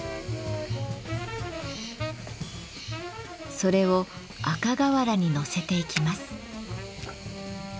それを赤瓦にのせていきます。